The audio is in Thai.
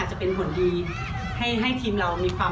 แนนสูงสุดท้ายที่บราซิลครับ